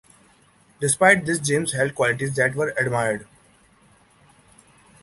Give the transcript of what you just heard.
Despite this, James held qualities that were admired.